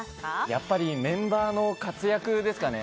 やっぱりメンバーの活躍ですかね。